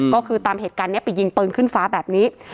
ก็คือตามเหตุการณ์นี้ไปยิงปืนขึ้นฟ้าแบบนี้